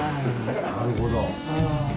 なるほど。